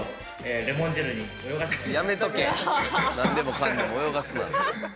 何でもかんでも泳がすな。